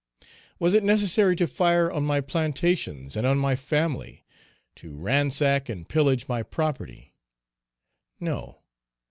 Was it necessary to fire on my plantations and on my family, to ransack and pillage my property? No!